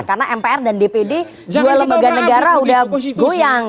karena mpr dan dpd dua lembaga negara sudah goyang